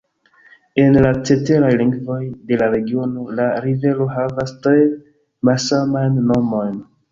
En la ceteraj lingvoj de la regiono la rivero havas tre malsamajn nomojn.